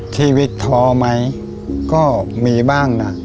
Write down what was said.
ท้อไหมก็มีบ้างนะ